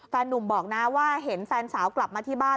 นุ่มบอกนะว่าเห็นแฟนสาวกลับมาที่บ้าน